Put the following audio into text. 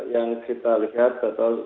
yang kita lihat